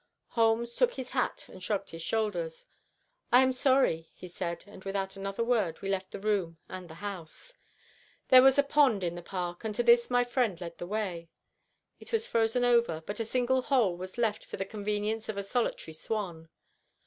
Holmes took his hat and shrugged his shoulders. "I am sorry," he said, and without another word we left the room and the house. There was a pond in the park, and to this my friend led the way. It was frozen over, but a single hole was left for the convenience of a solitary swan.